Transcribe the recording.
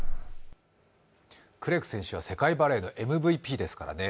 クレク選手は世界バレーのＭＶＰですからね。